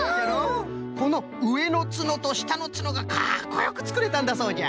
このうえのツノとしたのツノがかっこよくつくれたんだそうじゃ。